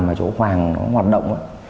mà chỗ hoàng nó hoạt động